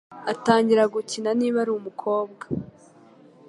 agatangira gukina niba ari umukobwa